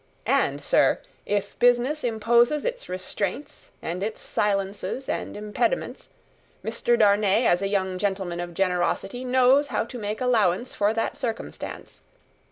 And, sir, if business imposes its restraints and its silences and impediments, Mr. Darnay as a young gentleman of generosity knows how to make allowance for that circumstance.